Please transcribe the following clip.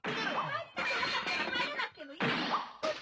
帰りたくなかったら帰らなくてもいいわよ！